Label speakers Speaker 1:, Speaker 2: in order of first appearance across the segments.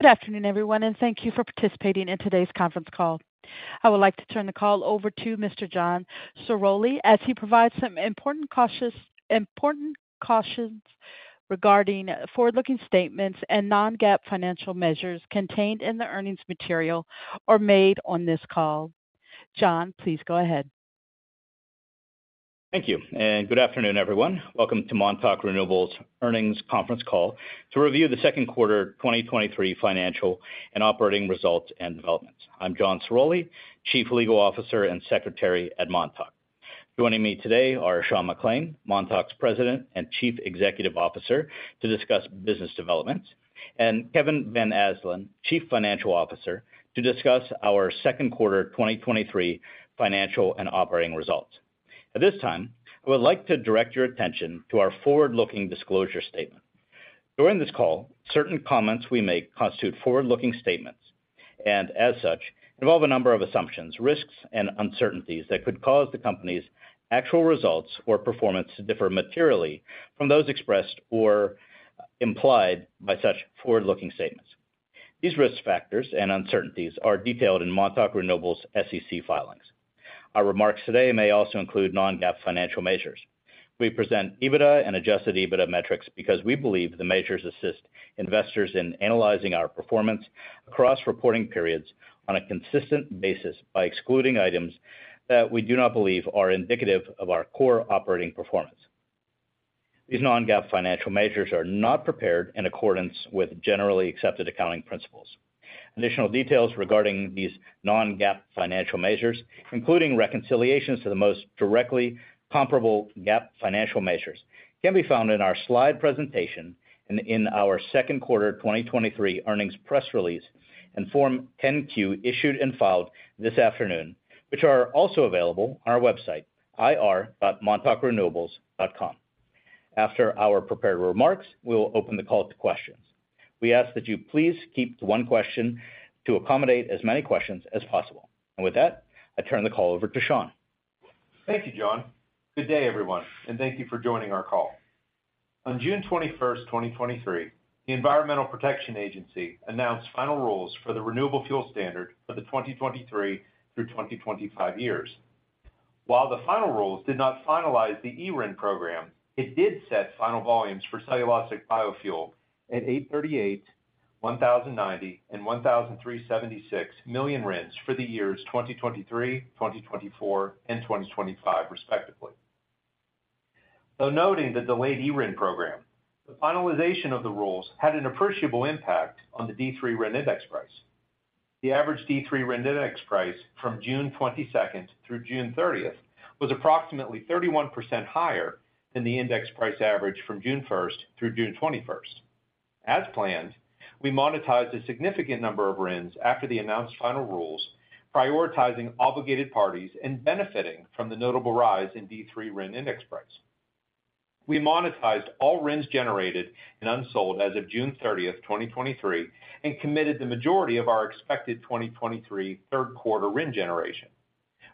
Speaker 1: Good afternoon, everyone, thank you for participating in today's conference call. I would like to turn the call over to Mr. John Ciroli, as he provides some important cautions regarding forward-looking statements and non-GAAP financial measures contained in the earnings material or made on this call. John, please go ahead.
Speaker 2: Thank you. Good afternoon, everyone. Welcome to Montauk Renewables Earnings Conference Call to review the Q2 2023 financial and operating results and developments. I'm John Ciroli, chief legal officer and Secretary at Montauk. Joining me today are Sean McClain, Montauk's president and chief executive officer, to discuss business developments, and Kevin Van Asdalan, chief financial officer, to discuss our Q2 2023 financial and operating results. At this time, I would like to direct your attention to our forward-looking disclosure statement. During this call, certain comments we make constitute forward-looking statements, and as such, involve a number of assumptions, risks, and uncertainties that could cause the company's actual results or performance to differ materially from those expressed or implied by such forward-looking statements. These risk factors and uncertainties are detailed in Montauk Renewables SEC filings. Our remarks today may also include non-GAAP financial measures. We present EBITDA and adjusted EBITDA metrics because we believe the measures assist investors in analyzing our performance across reporting periods on a consistent basis by excluding items that we do not believe are indicative of our core operating performance. These non-GAAP financial measures are not prepared in accordance with generally accepted accounting principles. Additional details regarding these non-GAAP financial measures, including reconciliations to the most directly comparable GAAP financial measures, can be found in our slide presentation and in our Q2 2023 earnings press release and form 10-Q, issued and filed this afternoon, which are also available on our website, ir.montaukrenewables.com. After our prepared remarks, we will open the call to questions. We ask that you please keep to one question to accommodate as many questions as possible. With that, I turn the call over to Sean.
Speaker 3: Thank you, John. Good day, everyone, and thank you for joining our call. On June 21st, 2023, the Environmental Protection Agency announced final rules for the renewable fuel standard for the 2023 through 2025 years. While the final rules did not finalize the eRIN program, it did set final volumes for cellulosic biofuel at 838, 1,090 and 1,376 million RINs for the years 2023, 2024 and 2025, respectively. Though noting the delayed eRIN program, the finalization of the rules had an appreciable impact on the D3 RIN index price. The average D3 RIN index price from June 22nd through June 30th was approximately 31% higher than the index price average from June 1st through June 21st. As planned, we monetized a significant number of RINs after the announced final rules, prioritizing obligated parties and benefiting from the notable rise in D3 RIN index price. We monetized all RINs generated and unsold as of June 30, 2023, and committed the majority of our expected 2023 Q3 RIN generation.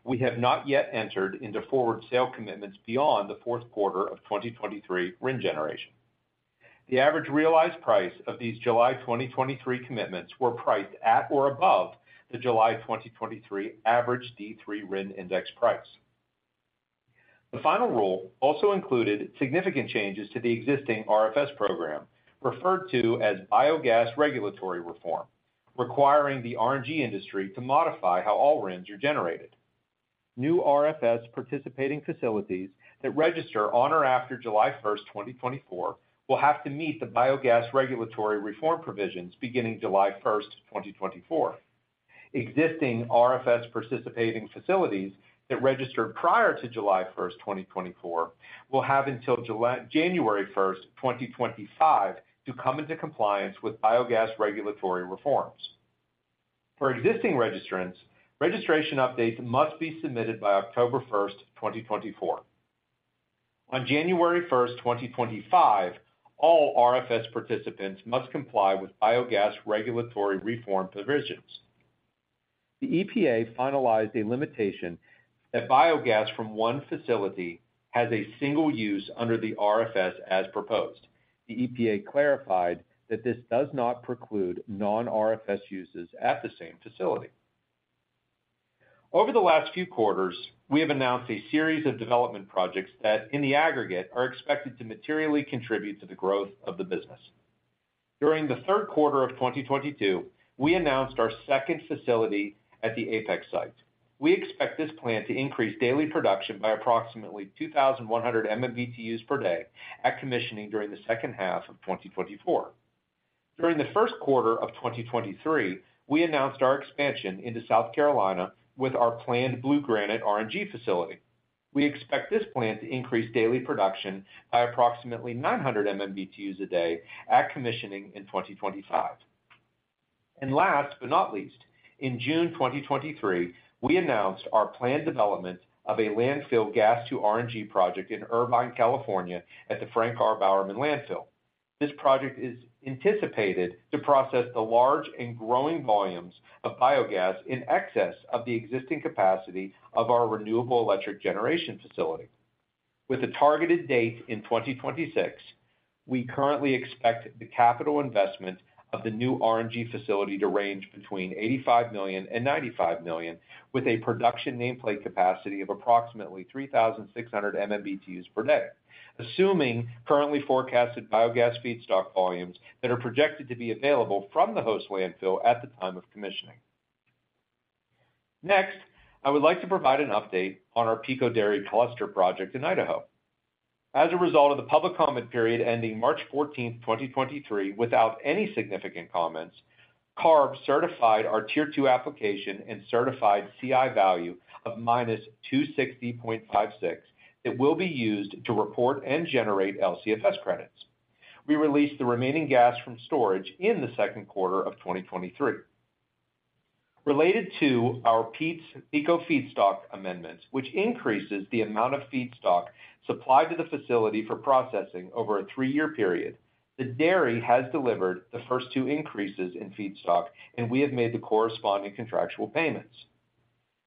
Speaker 3: We have not yet entered into forward sale commitments beyond the Q4 of 2023 RIN generation. The average realized price of these July 2023 commitments were priced at or above the July 2023 average D3 RIN index price. The final rule also included significant changes to the existing RFS program, referred to as biogas regulatory reform, requiring the RNG industry to modify how all RINs are generated. New RFS participating facilities that register on or after July 1st, 2024, will have to meet the Biogas Regulatory Reform provisions beginning July 1st, 2024. Existing RFS participating facilities that registered prior to July 1st, 2024, will have until January 1st, 2025, to come into compliance with biogas regulatory reform. For existing registrants, registration updates must be submitted by October 1st, 2024. On January 1st, 2025, all RFS participants must comply with biogas regulatory reform provisions. The EPA finalized a limitation that biogas from one facility has a single use under the RFS as proposed. The EPA clarified that this does not preclude non-RFS uses at the same facility. Over the last few quarters, we have announced a series of development projects that, in the aggregate, are expected to materially contribute to the growth of the business. During the Q3 of 2022, we announced our second facility at the Apex site. We expect this plant to increase daily production by approximately 2,100 MMBtus per day at commissioning during the second half of 2024. During the Q1 of 2023, we announced our expansion into South Carolina with our planned blue granite RNG facility. We expect this plant to increase daily production by approximately 900 MMBtus a day at commissioning in 2025. Last but not least, in June 2023, we announced our planned development of a landfill gas to RNG project in Irvine, California, at the Frank R. Bowerman Landfill. This project is anticipated to process the large and growing volumes of biogas in excess of the existing capacity of our renewable electric generation facility. With a targeted date in 2026, we currently expect the capital investment of the new RNG facility to range between $85 million-$95 million, with a production nameplate capacity of approximately 3,600 MMBtus per day, assuming currently forecasted biogas feedstock volumes that are projected to be available from the host landfill at the time of commissioning. Next, I would like to provide an update on our Pico Dairy Cluster project in Idaho. As a result of the public comment period ending March 14, 2023, without any significant comments, CARB certified our tier two application and certified CI value of -260.56, that will be used to report and generate LCFS credits. We released the remaining gas from storage in the Q2 of 2023. Related to our Pico Energy feedstock amendments, which increases the amount of feedstock supplied to the facility for processing over a three-year period, the dairy has delivered the first two increases in feedstock, and we have made the corresponding contractual payments.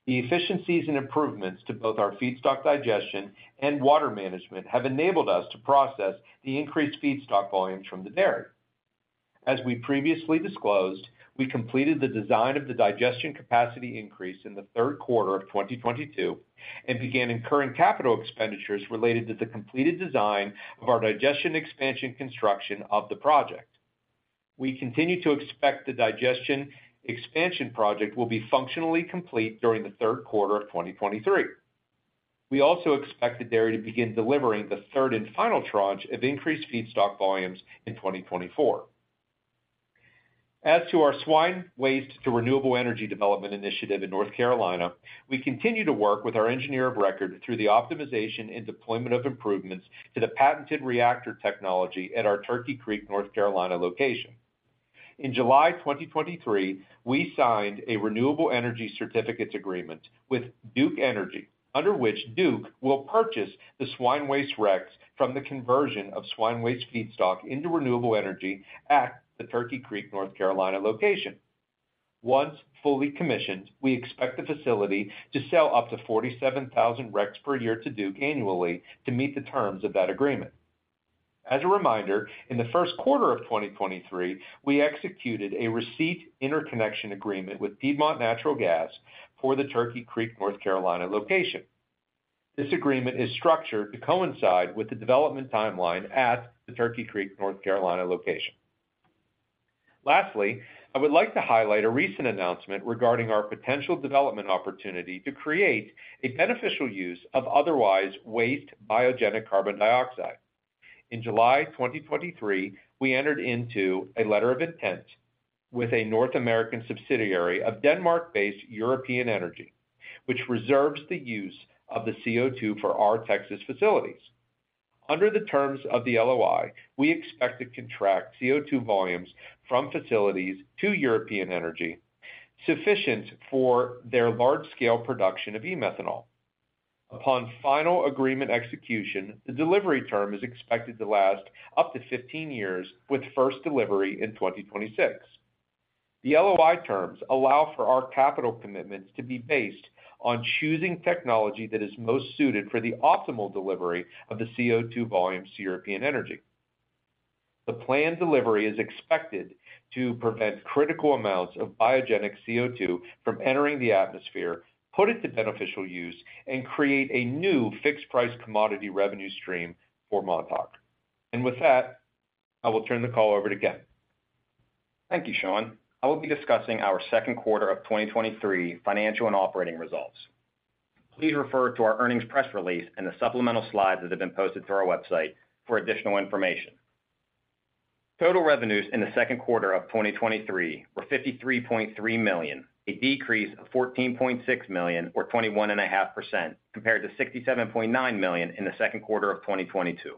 Speaker 3: The efficiencies and improvements to both our feedstock digestion and water management have enabled us to process the increased feedstock volumes from the dairy. As we previously disclosed, we completed the design of the digestion capacity increase in the Q3 of 2022, and began incurring capital expenditures related to the completed design of our digestion expansion construction of the project. We continue to expect the digestion expansion project will be functionally complete during the Q3 of 2023. We also expect the dairy to begin delivering the third and final tranche of increased feedstock volumes in 2024. As to our swine waste to renewable energy development initiative in North Carolina, we continue to work with our engineer of record through the optimization and deployment of improvements to the patented reactor technology at our Turkey Creek, North Carolina location. In July 2023, we signed a renewable energy certificates agreement with Duke Energy, under which Duke will purchase the swine waste RECs from the conversion of swine waste feedstock into renewable energy at the Turkey Creek, North Carolina location. Once fully commissioned, we expect the facility to sell up to 47,000 RECs per year to Duke annually to meet the terms of that agreement. As a reminder, in the Q1 of 2023, we executed a receipt interconnection agreement with Piedmont Natural Gas for the Turkey Creek, North Carolina location. This agreement is structured to coincide with the development timeline at the Turkey Creek, North Carolina location. Lastly, I would like to highlight a recent announcement regarding our potential development opportunity to create a beneficial use of otherwise waste biogenic carbon dioxide. In July 2023, we entered into a letter of intent with a North American subsidiary of Denmark-based European Energy, which reserves the use of the CO2 for our Texas facilities. Under the terms of the LOI, we expect to contract CO2 volumes from facilities to European Energy, sufficient for their large-scale production of E-methanol. Upon final agreement execution, the delivery term is expected to last up to 15 years, with first delivery in 2026. The LOI terms allow for our capital commitments to be based on choosing technology that is most suited for the optimal delivery of the CO2 volumes to European Energy. The planned delivery is expected to prevent critical amounts of biogenic CO2 from entering the atmosphere, put it to beneficial use, and create a new fixed price commodity revenue stream for Montauk. With that, I will turn the call over to Kevin.
Speaker 4: Thank you, Sean. I will be discussing our Q2 of 2023 financial and operating results. Please refer to our earnings press release and the supplemental slides that have been posted to our website for additional information. Total revenues in the Q2 of 2023 were $53.3 million, a decrease of $14.6 million, or 21.5%, compared to $67.9 million in the Q2 of 2022.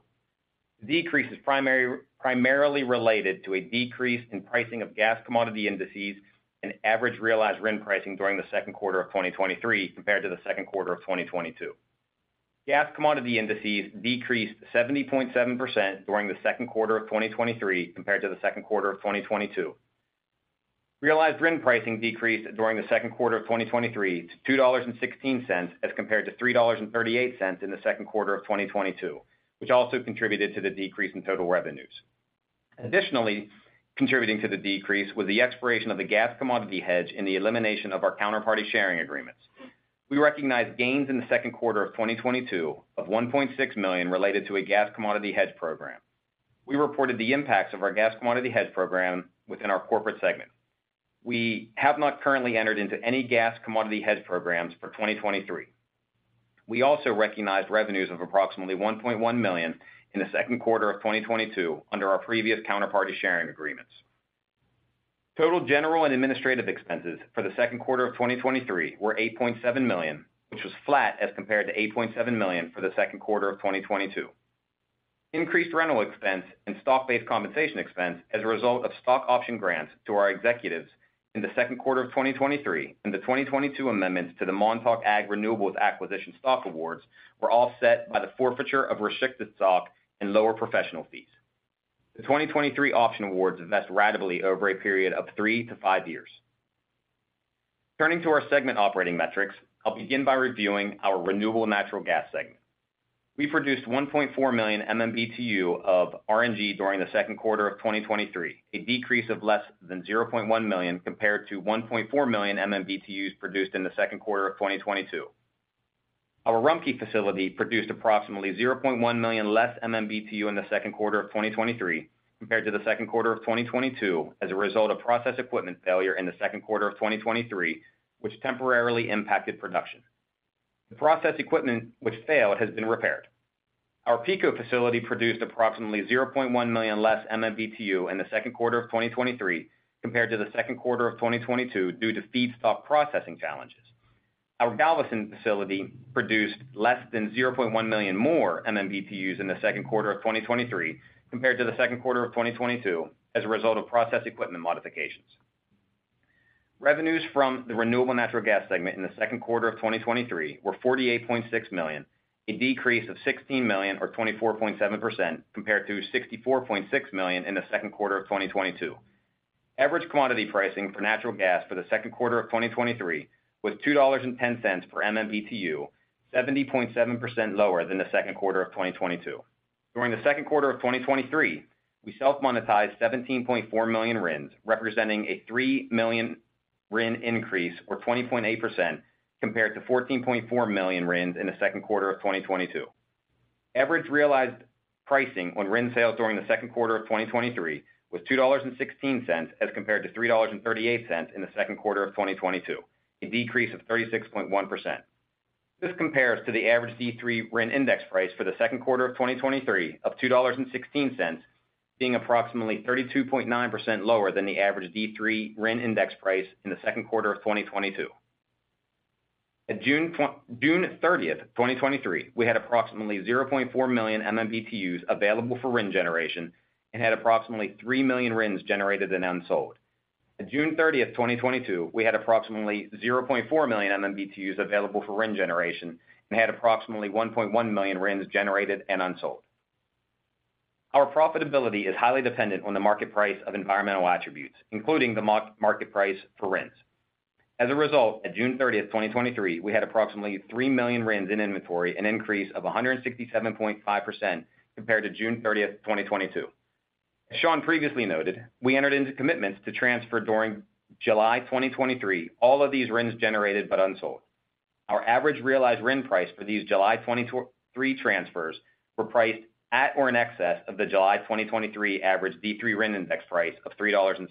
Speaker 4: The decrease is primarily related to a decrease in pricing of gas commodity indices and average realized RIN pricing during the Q2 of 2023 compared to the Q2 of 2022. Gas commodity indices decreased 70.7% during the Q2 of 2023 compared to the Q2 of 2022. Realized RIN pricing decreased during the Q2 of 2023 to $2.16, as compared to $3.38 in the Q2 of 2022, which also contributed to the decrease in total revenues. Contributing to the decrease was the expiration of the gas commodity hedge and the elimination of our counterparty sharing agreements. We recognized gains in the Q2 of 2022 of $1.6 million related to a gas commodity hedge program. We reported the impacts of our gas commodity hedge program within our corporate segment. We have not currently entered into any gas commodity hedge programs for 2023. We also recognized revenues of approximately $1.1 million in the Q2 of 2022 under our previous counterparty sharing agreements. Total general and administrative expenses for the Q2 of 2023 were $8.7 million, which was flat as compared to $8.7 million for the Q2 of 2022. Increased rental expense and stock-based compensation expense as a result of stock option grants to our executives in the Q2 of 2023, and the 2022 amendments to the Montauk Ag Renewables acquisition stock awards, were offset by the forfeiture of restricted stock and lower professional fees. The 2023 option awards vest ratably over a period of 3 to 5 years. Turning to our segment operating metrics, I'll begin by reviewing our renewable natural gas segment. We produced 1.4 million MMBtu of RNG during the Q2 of 2023, a decrease of less than 0.1 million compared to 1.4 million MMBtus produced in the Q2 of 2022. Our Rumpke facility produced approximately 0.1 million less MMBtu in the Q2 of 2023 compared to the Q2 of 2022, as a result of process equipment failure in the Q2 of 2023, which temporarily impacted production. The process equipment which failed, has been repaired. Our Pico facility produced approximately 0.1 million less MMBtu in the Q2 of 2023 compared to the Q2 of 2022, due to feedstock processing challenges. Our Galveston facility produced less than 0.1 million more MMBtus in the Q2 of 2023 compared to the Q2 of 2022, as a result of process equipment modifications. Revenues from the renewable natural gas segment in the Q2 of 2023 were $48.6 million, a decrease of $16 million or 24.7% compared to $64.6 million in the Q2 of 2022. Average quantity pricing for natural gas for the Q2 of 2023 was $2.10 per MMBtu, 70.7% lower than the Q2 of 2022. During the Q2 of 2023, we self-monetized 17.4 million RINs, representing a 3 million RIN increase or 20.8% compared to 14.4 million RINs in the Q2 of 2022. Average realized pricing on RIN sales during the Q2 of 2023 was $2.16, as compared to $3.38 in the Q2 of 2022, a decrease of 36.1%. This compares to the average D3 RIN index price for the Q2 of 2023 of $2.16, being approximately 32.9% lower than the average D3 RIN index price in the Q2 of 2022. At June 30th, 2023, we had approximately 0.4 million MMBtus available for RIN generation and had approximately 3 million RINs generated and unsold. At June 30th, 2022, we had approximately 0.4 million MMBtus available for RIN generation and had approximately 1.1 million RINs generated and unsold. Our profitability is highly dependent on the market price of environmental attributes, including the market price for RINs. As a result, at June 30th, 2023, we had approximately 3 million RINs in inventory, an increase of 167.5% compared to June 30th, 2022. As Sean previously noted, we entered into commitments to transfer during July 2023 all of these RINs generated but unsold. Our average realized RIN price for these July 2023 transfers were priced at or in excess of the July 2023 average D3 RIN index price of $3.06.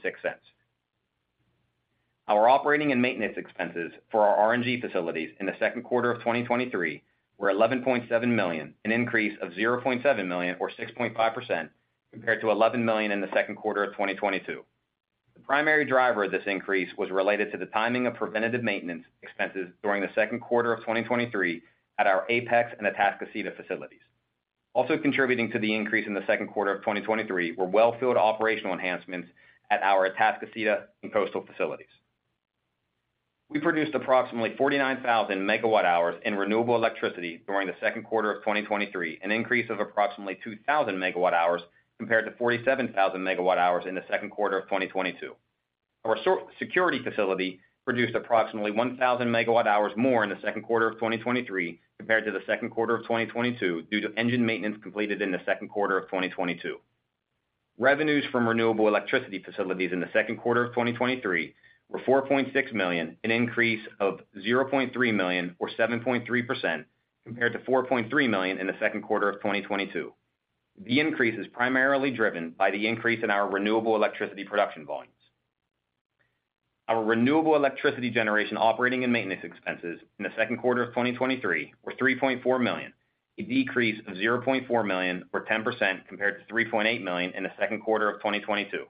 Speaker 4: Our operating and maintenance expenses for our RNG facilities in the Q2 of 2023 were $11.7 million, an increase of $0.7 million, or 6.5%, compared to $11 million in the Q2 of 2022. The primary driver of this increase was related to the timing of preventative maintenance expenses during the Q2 of 2023 at our Apex and Atascocita facilities. Contributing to the increase in the Q2 of 2023 were wellfield operational enhancements at our Atascocita and Coastal facilities. We produced approximately 49,000 megawatt hours in renewable electricity during the Q2 of 2023, an increase of approximately 2,000 megawatt hours compared to 47,000 megawatt hours in the Q2 of 2022. Our Security facility produced approximately 1,000 megawatt hours more in the Q2 of 2023 compared to the Q2 of 2022, due to engine maintenance completed in the Q2 of 2022. Revenues from renewable electricity facilities in the Q2 of 2023 were $4.6 million, an increase of $0.3 million or 7.3%, compared to $4.3 million in the Q2 of 2022. The increase is primarily driven by the increase in our renewable electricity production volumes. Our renewable electricity generation operating and maintenance expenses in the Q2 of 2023 were $3.4 million, a decrease of $0.4 million, or 10%, compared to $3.8 million in the Q2 of 2022.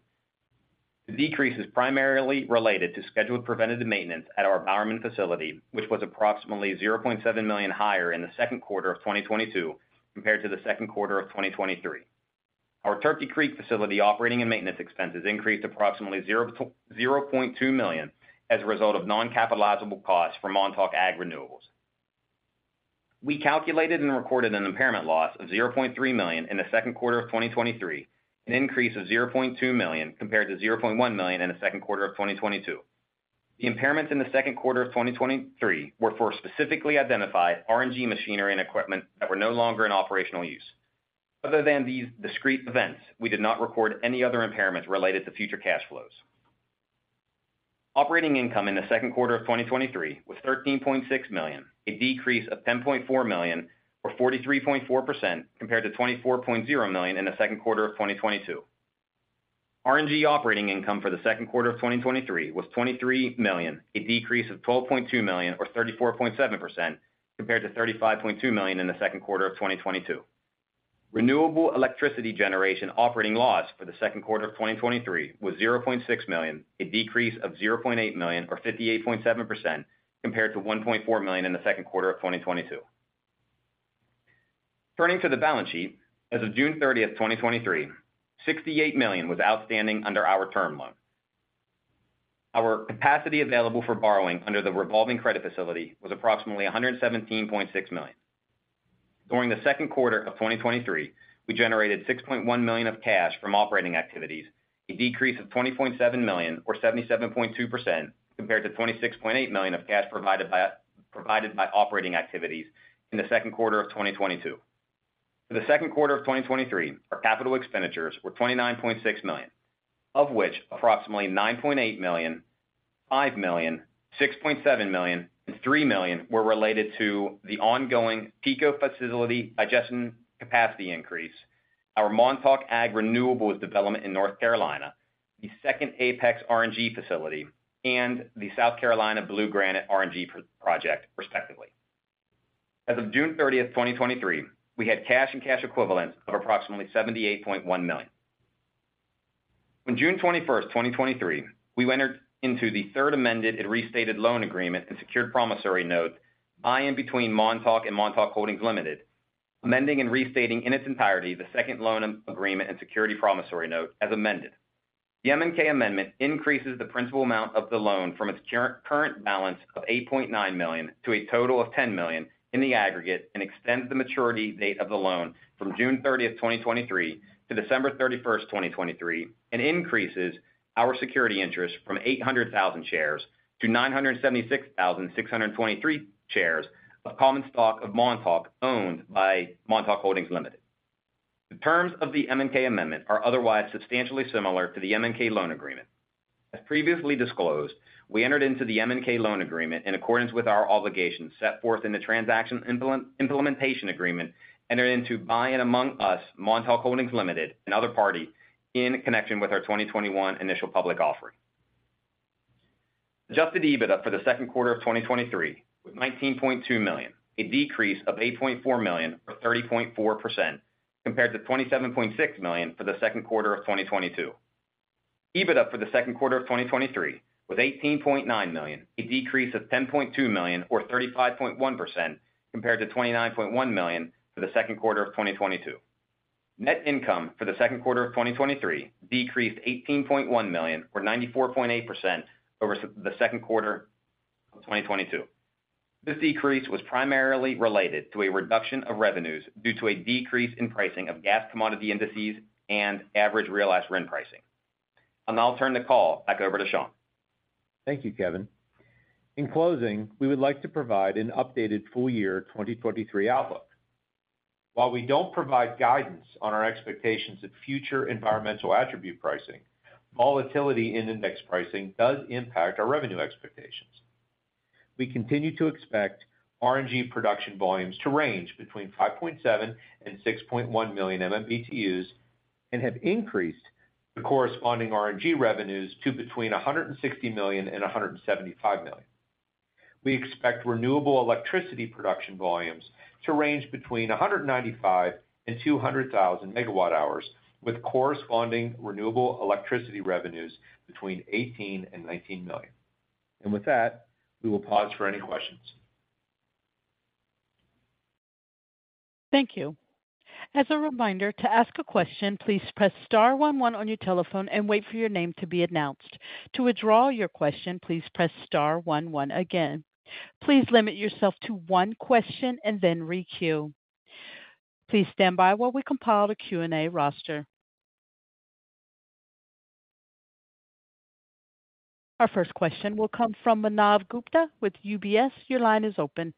Speaker 4: The decrease is primarily related to scheduled preventative maintenance at our Bowerman facility, which was approximately $0.7 million higher in the Q2 of 2022 compared to the Q2 of 2023. Our Turkey Creek facility operating and maintenance expenses increased approximately $0.2 million as a result of non-capitalizable costs from Montauk Ag Renewables. We calculated and recorded an impairment loss of $0.3 million in the Q2 of 2023, an increase of $0.2 million compared to $0.1 million in the Q2 of 2022. The impairments in the Q2 of 2023 were for specifically identified RNG machinery and equipment that were no longer in operational use. Other than these discrete events, we did not record any other impairments related to future cash flows. Operating income in the Q2 of 2023 was $13.6 million, a decrease of $10.4 million or 43.4% compared to $24.0 million in the Q2 of 2022. RNG operating income for the Q2 of 2023 was $23 million, a decrease of $12.2 million or 34.7% compared to $35.2 million in the Q2 of 2022. Renewable electricity generation operating loss for the Q2 of 2023 was $0.6 million, a decrease of $0.8 million or 58.7% compared to $1.4 million in the Q2 of 2022. Turning to the balance sheet, as of June 30th, 2023, $68 million was outstanding under our term loan. Our capacity available for borrowing under the revolving credit facility was approximately $117.6 million. During the Q2 of 2023, we generated $6.1 million of cash from operating activities, a decrease of $20.7 million, or 77.2%, compared to $26.8 million of cash provided by, provided by operating activities in the Q2 of 2022. For the Q2 of 2023, our capital expenditures were $29.6 million, of which approximately $9.8 million, $5 million, $6.7 million, and $3 million were related to the ongoing Pico facility digestion capacity increase, our Montauk Ag Renewables development in North Carolina, the second Apex RNG facility, and the South Carolina Blue Granite RNG project, respectively. As of June 30th, 2023, we had cash and cash equivalents of approximately $78.1 million. On June 21st, 2023, we entered into the third amended and restated loan agreement and secured promissory note, by and between Montauk and Montauk Holdings Limited, amending and restating in its entirety the second loan agreement and security promissory note, as amended. The MNK amendment increases the principal amount of the loan from its current balance of $8.9 million to a total of $10 million in the aggregate, and extends the maturity date of the loan from June 30th, 2023 to December 31st, 2023, and increases our security interest from 800,000 shares to 976,623 shares of common stock of Montauk, owned by Montauk Holdings Limited. The terms of the MNK amendment are otherwise substantially similar to the MNK loan agreement. As previously disclosed, we entered into the MNK loan agreement in accordance with our obligations set forth in the Transaction Implementation Agreement, entered into by and among us, Montauk Holdings Limited, and other party in connection with our 2021 initial public offering. Adjusted EBITDA for the Q2 of 2023, was $19.2 million, a decrease of $8.4 million, or 30.4%, compared to $27.6 million for the Q2 of 2022. EBITDA for the Q2 of 2023, was $18.9 million, a decrease of $10.2 million or 35.1%, compared to $29.1 million for the Q2 of 2022. Net income for the Q2 of 2023 decreased $18.1 million, or 94.8%, over the Q2 of 2022. This decrease was primarily related to a reduction of revenues due to a decrease in pricing of gas commodity indices and average realized RIN pricing. I'll now turn the call back over to Sean.
Speaker 3: Thank you, Kevin. In closing, we would like to provide an updated full year 2023 outlook. While we don't provide guidance on our expectations of future environmental attribute pricing, volatility in index pricing does impact our revenue expectations. We continue to expect RNG production volumes to range between 5.7 million and 6.1 million MMBtus, and have increased the corresponding RNG revenues to between $160 million and $175 million. We expect renewable electricity production volumes to range between 195,000 and 200,000 megawatt hours, with corresponding renewable electricity revenues between $18 million and $19 million. With that, we will pause for any questions.
Speaker 1: Thank you. As a reminder, to ask a question, please press star one one on your telephone and wait for your name to be announced. To withdraw your question, please press star one one again. Please limit yourself to one question and then re queue. Please stand by while we compile the Q&A roster. Our first question will come from Manav Gupta with UBS. Your line is open.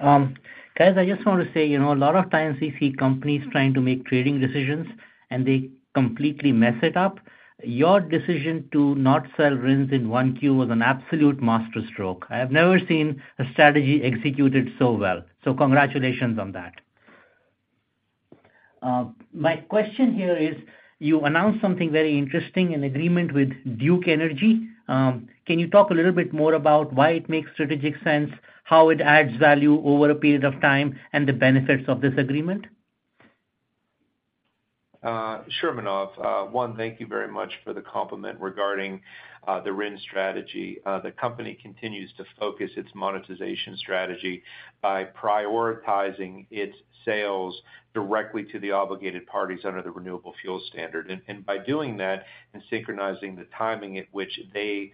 Speaker 5: Guys, I just want to say, you know, a lot of times we see companies trying to make trading decisions and they completely mess it up. Your decision to not sell RINs in 1Q was an absolute masterstroke. I have never seen a strategy executed so well. Congratulations on that. My question here is: you announced something very interesting, an agreement with Duke Energy. Can you talk a little bit more about why it makes strategic sense, how it adds value over a period of time, and the benefits of this agreement?
Speaker 3: Sure, Manav. One, thank you very much for the compliment regarding the RIN strategy. The company continues to focus its monetization strategy by prioritizing its sales directly to the obligated parties under the Renewable Fuel Standard. By doing that, and synchronizing the timing at which they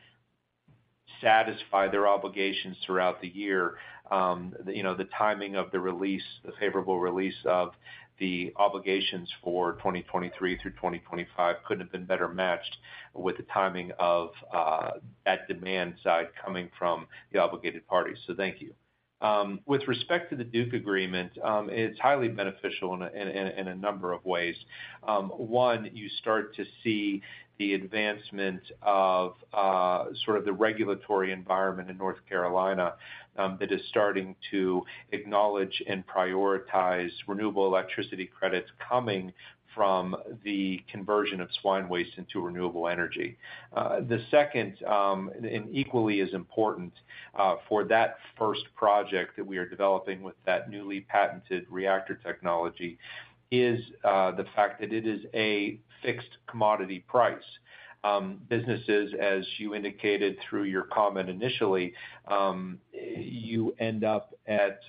Speaker 3: satisfy their obligations throughout the year, you know, the timing of the release, the favorable release of the obligations for 2023 through 2025, couldn't have been better matched with the timing of that demand side coming from the obligated parties, so thank you. With respect to the Duke agreement, it's highly beneficial in a number of ways. One, you start to see the advancement of, sort of the regulatory environment in North Carolina, that is starting to acknowledge and prioritize renewable electricity credits coming from the conversion of swine waste into renewable energy. The second, and, and equally as important, for that first project that we are developing with that newly patented reactor technology, is, the fact that it is a fixed commodity price. Businesses, as you indicated through your comment initially, you end up at,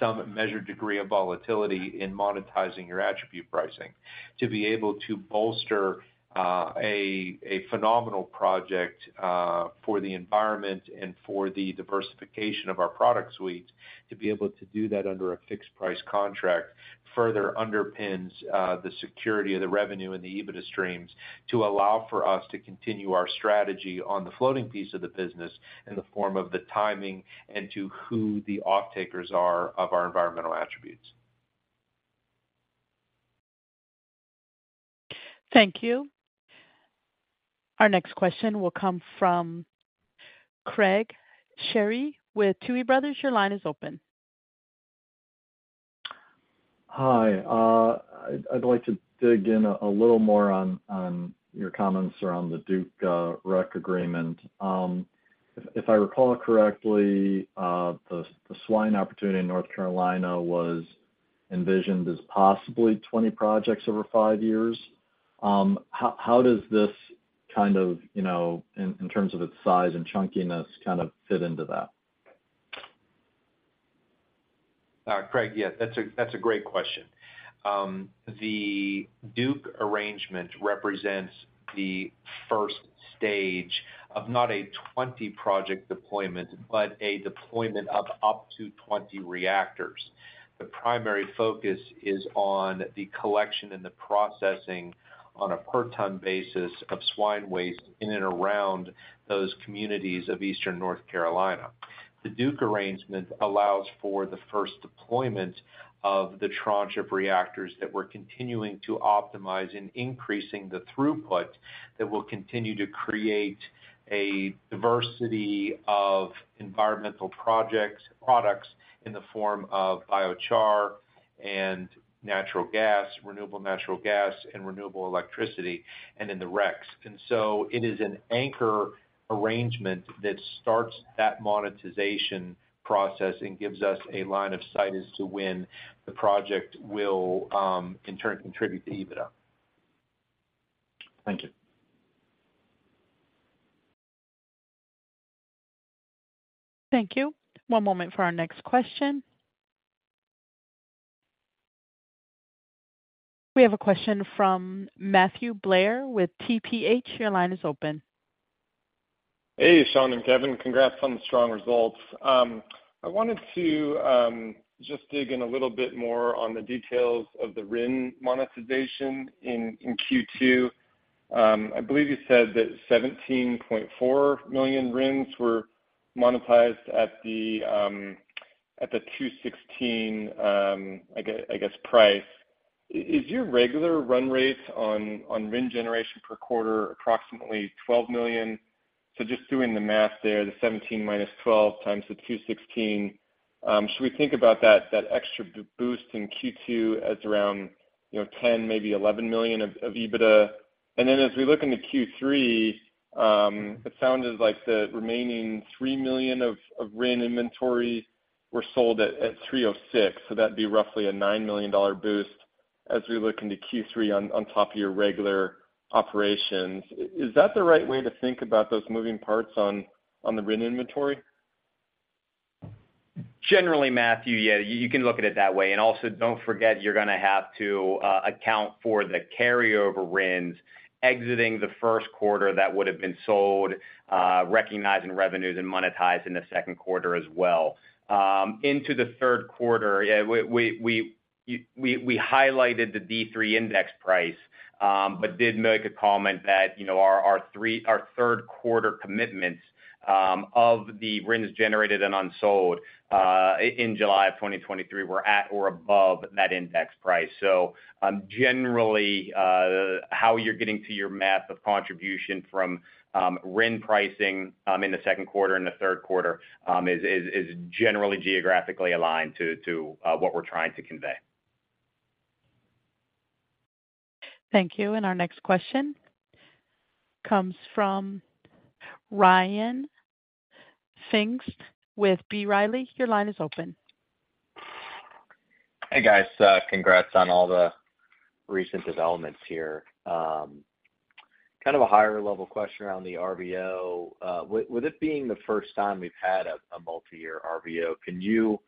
Speaker 3: some measured degree of volatility in monetizing your attribute pricing. To be able to bolster a phenomenal project, for the environment and for the diversification of our product suite, to be able to do that under a fixed price contract, further underpins the security of the revenue and the EBITDA streams to allow for us to continue our strategy on the floating piece of the business in the form of the timing and to who the off-takers are of our environmental attributes.
Speaker 1: Thank you. Our next question will come from Craig Shere with Tuohy Brothers. Your line is open.
Speaker 6: Hi, I'd like to dig in a little more on your comments around the Duke REC agreement. If I recall correctly, the swine opportunity in North Carolina was envisioned as possibly 20 projects over 5 years. How does this kind of, you know, in terms of its size and chunkiness, kind of fit into that?
Speaker 3: Craig, yeah, that's a, that's a great question. The Duke arrangement represents the first stage of not a 20-project deployment, but a deployment of up to 20 reactors. The primary focus is on the collection and the processing on a per ton basis of swine waste in and around those communities of Eastern North Carolina. The Duke arrangement allows for the first deployment of the tranche of reactors that we're continuing to optimize and increasing the throughput that will continue to create a diversity of environmental projects, products in the form of biochar and natural gas, renewable natural gas, and renewable electricity, and in the RECs. It is an anchor arrangement that starts that monetization process and gives us a line of sight as to when the project will, in turn, contribute to EBITDA.
Speaker 6: Thank you.
Speaker 1: Thank you. One moment for our next question. We have a question from Matthew Blair with TPH. Your line is open.
Speaker 7: Hey, Sean and Kevin, congrats on the strong results. I wanted to just dig in a little bit more on the details of the RIN monetization in Q2. I believe you said that 17.4 million RINs were monetized at the $2.16 price. Is your regular run rate on RIN generation per quarter approximately 12 million? Just doing the math there, the 17 minus 12 times the $2.16, should we think about that extra boost in Q2 as around, you know, $10 million, maybe $11 million of EBITDA? As we look into Q3, it sounded like the remaining 3 million of RIN inventory were sold at $3.06. That'd be roughly a $9 million boost as we look into Q3 on, on top of your regular operations. Is that the right way to think about those moving parts on, on the RIN inventory?
Speaker 3: Generally, Matthew, yeah, you can look at it that way. Also, don't forget, you're gonna have to account for the carryover RINs exiting the Q1 that would have been sold, recognizing revenues and monetized in the Q2 as well. Into the Q3, yeah, we, we, we, we, we highlighted the D3 index price, but did make a comment that, you know, our, our Q3 commitments of the RINs generated and unsold in July of 2023, were at or above that index price. Generally, how you're getting to your math of contribution from RIN pricing in the Q2 and the Q3, is, is, is generally geographically aligned to what we're trying to convey.
Speaker 1: Thank you. Our next question comes from Ryan Pfingst with B Riley. Your line is open.
Speaker 8: Hey, guys, congrats on all the recent developments here. Kind of a higher-level question around the RVO. With it being the first time we've had a multi-year RVO, can you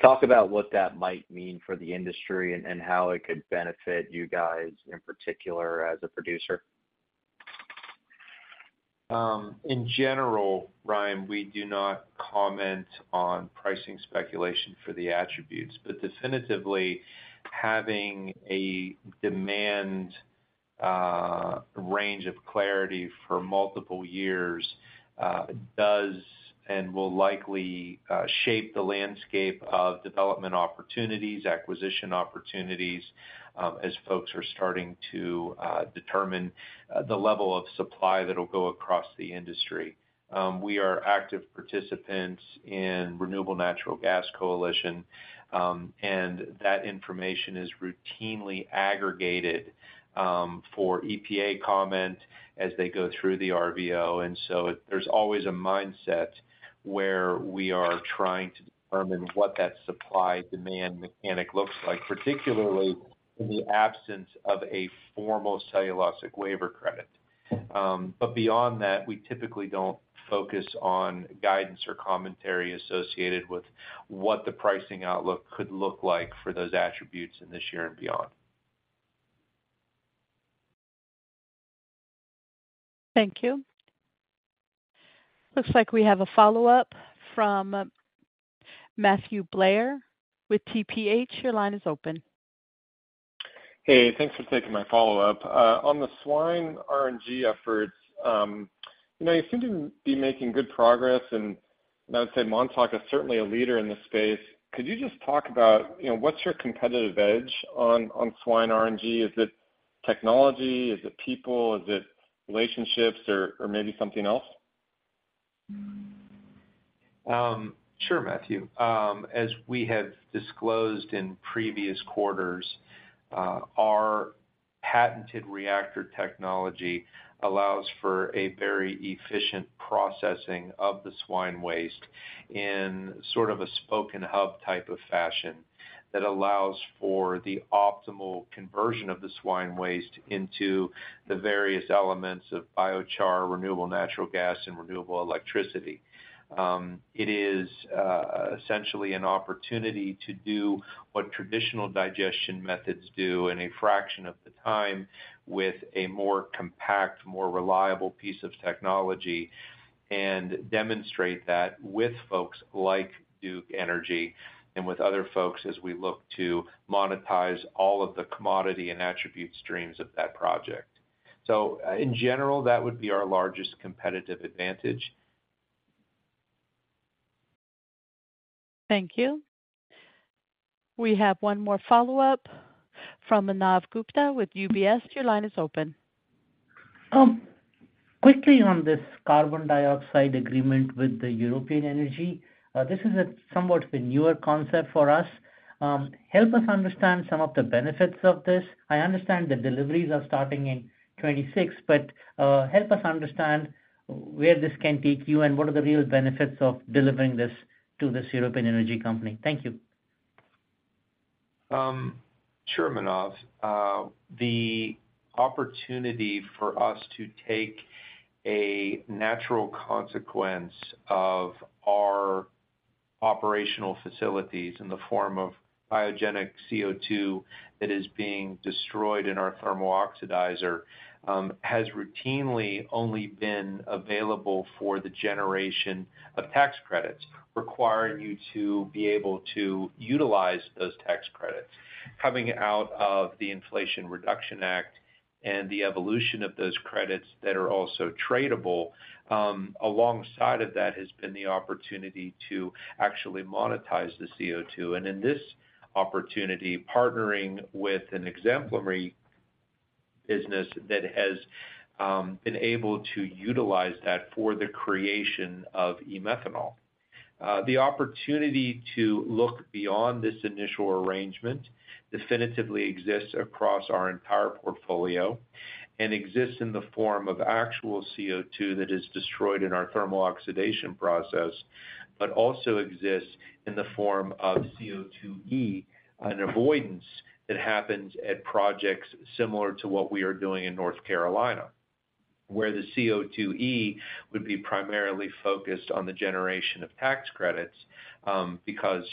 Speaker 8: talk about what that might mean for the industry and how it could benefit you guys in particular as a producer?
Speaker 3: In general, Ryan, we do not comment on pricing speculation for the attributes, but definitively, having a demand range of clarity for multiple years, does and will likely shape the landscape of development opportunities, acquisition opportunities, as folks are starting to determine the level of supply that'll go across the industry. We are active participants in Renewable Natural Gas Coalition, and that information is routinely aggregated for EPA comment as they go through the RVO. There's always a mindset where we are trying to determine what that supply-demand mechanic looks like, particularly in the absence of a formal cellulosic waiver credit. Beyond that, we typically don't focus on guidance or commentary associated with what the pricing outlook could look like for those attributes in this year and beyond.
Speaker 1: Thank you. Looks like we have a follow-up from Matthew Blair with TPH. Your line is open.
Speaker 7: Hey, thanks for taking my follow-up. On the swine RNG efforts, you know, you seem to be making good progress. I would say Montauk is certainly a leader in this space. Could you just talk about, you know, what's your competitive edge on, on swine RNG? Is it technology? Is it people? Is it relationships or, or maybe something else?
Speaker 3: Sure, Matthew. As we have disclosed in previous quarters, our patented reactor technology allows for a very efficient processing of the swine waste in sort of a spoken hub type of fashion, that allows for the optimal conversion of the swine waste into the various elements of biochar, renewable natural gas, and renewable electricity. It is, essentially an opportunity to do what traditional digestion methods do in a fraction of the time, with a more compact, more reliable piece of technology, and demonstrate that with folks like Duke Energy and with other folks, as we look to monetize all of the commodity and attribute streams of that project. In general, that would be our largest competitive advantage.
Speaker 1: Thank you. We have one more follow-up from Manav Gupta with UBS. Your line is open.
Speaker 5: Quickly on this carbon dioxide agreement with the European Energy. This is a somewhat newer concept for us. Help us understand some of the benefits of this. I understand the deliveries are starting in 2026, but, help us understand where this can take you and what are the real benefits of delivering this to this European Energy company. Thank you.
Speaker 3: Sure, Manav. The opportunity for us to take a natural consequence of our operational facilities in the form of biogenic CO2 that is being destroyed in our thermal oxidizer, has routinely only been available for the generation of tax credits, requiring you to be able to utilize those tax credits. Coming out of the Inflation Reduction Act and the evolution of those credits that are also tradable, alongside of that has been the opportunity to actually monetize the CO2, and in this opportunity, partnering with an exemplary business that has been able to utilize that for the creation of E-methanol. The opportunity to look beyond this initial arrangement definitively exists across our entire portfolio and exists in the form of actual CO2 that is destroyed in our thermal oxidation process, but also exists in the form of CO2e, an avoidance that happens at projects similar to what we are doing in North Carolina, where the CO2e would be primarily focused on the generation of tax credits because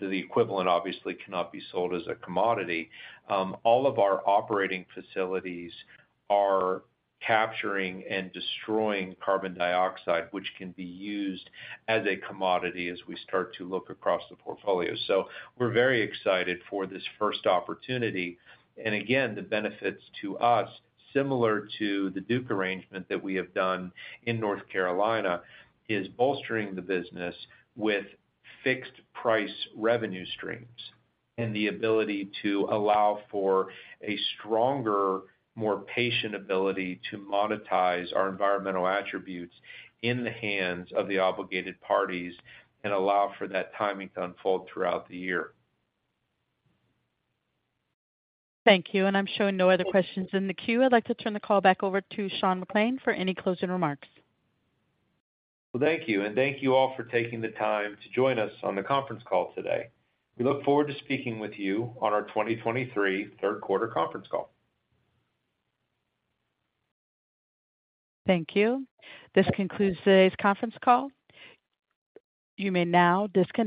Speaker 3: the equivalent obviously cannot be sold as a commodity. All of our operating facilities are capturing and destroying carbon dioxide, which can be used as a commodity as we start to look across the portfolio. We're very excited for this first opportunity. Again, the benefits to us, similar to the Duke arrangement that we have done in North Carolina, is bolstering the business with fixed price revenue streams and the ability to allow for a stronger, more patient ability to monetize our environmental attributes in the hands of the obligated parties and allow for that timing to unfold throughout the year.
Speaker 1: Thank you. I'm showing no other questions in the queue. I'd like to turn the call back over to Sean McClain for any closing remarks.
Speaker 3: Well, thank you, and thank you all for taking the time to join us on the conference call today. We look forward to speaking with you on our 2023 Q3 conference call.
Speaker 1: Thank you. This concludes today's conference call. You may now disconnect.